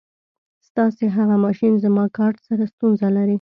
ستاسې هغه ماشین زما کارټ سره ستونزه لري.